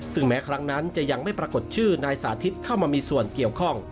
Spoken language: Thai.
ซึ่งแม้ครั้งนั้นจะยังไม่ปรากฏชื่อนายสาธิตเข้ามามีส่วนเกี่ยวข้อง